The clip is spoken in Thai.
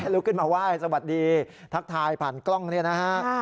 ลุกขึ้นมาว่ายสวัสดีทักทายผ่านกล้องนี้นะครับ